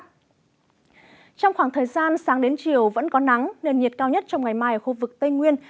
trong khoảng thời gian sáng đến chiều vẫn có nắng nền nhiệt cao nhất trong ngày mai ở khu vực tây nguyên